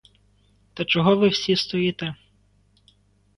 Та чого ви всі стоїте?